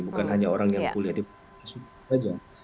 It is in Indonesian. bukan hanya orang yang kuliah di pusat pajang